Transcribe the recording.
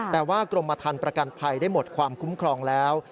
แต่ว่ากรมธรรมประกันภัยได้หมดความคุ้มครองแล้ว